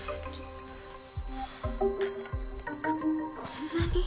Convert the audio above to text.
こんなに？